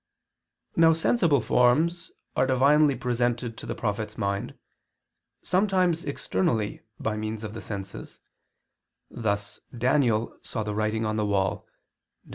Now sensible forms are divinely presented to the prophet's mind, sometimes externally by means of the senses thus Daniel saw the writing on the wall (Dan.